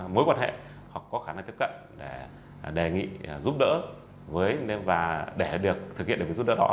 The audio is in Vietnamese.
mối quan hệ hoặc có khả năng tiếp cận để đề nghị giúp đỡ với và để được thực hiện được việc giúp đỡ đó